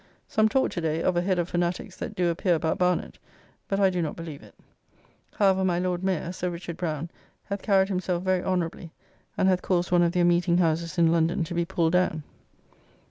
Some talk to day of a head of Fanatiques that do appear about Barnett, but I do not believe it. However, my Lord Mayor, Sir Richd. Browne, hath carried himself very honourably, and hath caused one of their meeting houses in London to be pulled down.